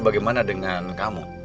bagaimana dengan kamu